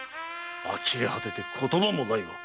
あきれ果てて言葉もないわ。